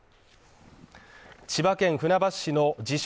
千葉県船橋市の自称